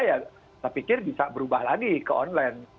saya pikir bisa berubah lagi ke online